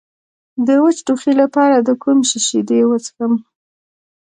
د وچ ټوخي لپاره د کوم شي شیدې وڅښم؟